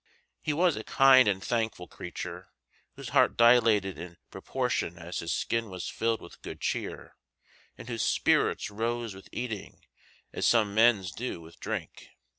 He was a kind and thankful creature, whose heart dilated in proportion as his skin was filled with good cheer, and whose spirits rose with eating as some men's do with drink.